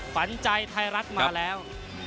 ฝันใจไทยรัฐมาแล้ว